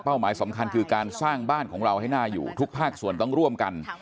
หมายสำคัญคือการสร้างบ้านของเราให้น่าอยู่ทุกภาคส่วนต้องร่วมกัน